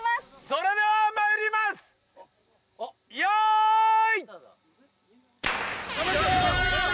それではまいります用意！